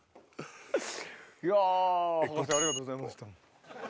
いやありがとうございました。